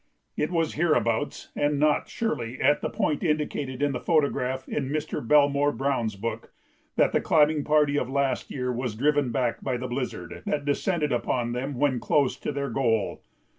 It was hereabouts, and not, surely, at the point indicated in the photograph in Mr. Belmore Browne's book, that the climbing party of last year was driven back by the blizzard that descended upon them when close to their goal.